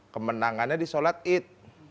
kemenangannya di sholat it